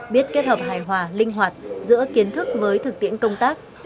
biết kết hợp hài hòa linh hoạt giữa kiến thức với thực tiễn công tác